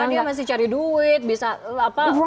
sebenarnya dia masih cari duit bisa posting bisa